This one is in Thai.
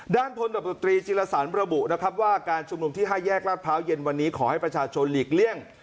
ด้านพลตำรวจตรีจิรสันระบุนะครับว่าการชุมนุมที่๕แยกลาดพร้าวเย็นวันนี้ขอให้ประชาชนหลีกเลี่ยง